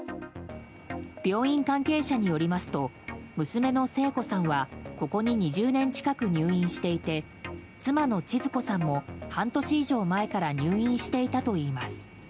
病院関係者によりますと娘の聖子さんはここに２０年近く入院していて妻のちづ子さんも半年以上前から入院していたといいます。